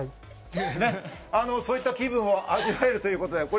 そういった気分を味わえるということで。